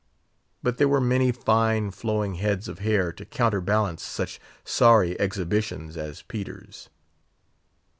But there were many fine, flowing heads of hair to counter balance such sorry exhibitions as Peter's.